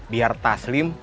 biar tas liat